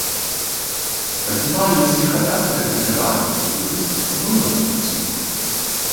Паднімалі ўсіх а пятай гадзіне раніцы, і выспацца было немагчыма.